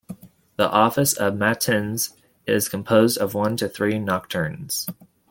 The office of Matins is composed of one to three nocturns.